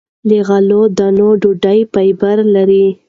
له غلو- دانو ډوډۍ فایبر لري.